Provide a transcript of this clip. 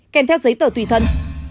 kèm theo giấy tờ tùy thân